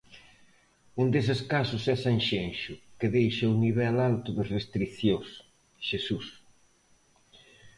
Un deses casos é Sanxenxo que deixa o nivel alto de restricións, Xesús.